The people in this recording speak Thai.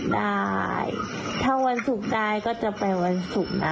ได้ถ้าวันสุขได้ก็จะไปวันสุขนะ